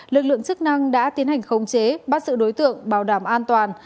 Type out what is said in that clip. lực lượng chức năng đã tiến hành khống chế bắt sự đối tượng bảo đảm an toàn